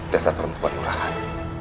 dasar perempuan murahan